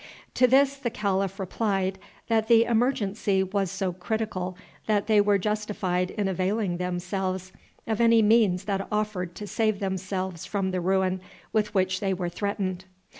To this the calif replied that the emergency was so critical that they were justified in availing themselves of any means that offered to save themselves from the ruin with which they were threatened.